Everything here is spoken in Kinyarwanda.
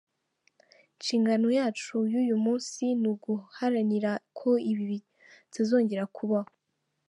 Inshingano yacu uyu munsi ni uguharanira ko ibi bitazongera kubaho.